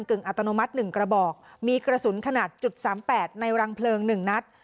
ก็ถึงอัตโนมัติหนึ่งกระบอกมีกระสุนขนาดจุดสามแปดในรังเพลิงหนึ่งนัด